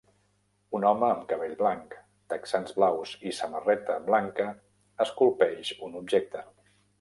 Un home amb cabell blanc, texans blaus i samarreta blanca esculpeix un objecte.